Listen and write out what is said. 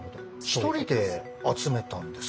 １人で集めたんですかね？